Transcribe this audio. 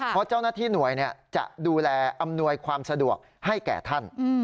เพราะเจ้าหน้าที่หน่วยจะดูแลอำนวยความสะดวกให้แก่ท่าน